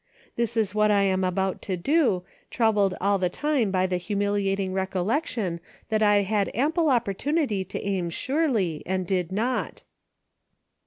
This is what I am about to do, troubled all the time by the humiliating recollection that I had ample opportunity to A NIGHT FOR DECISIONS. 32 1 aim surely, and did not.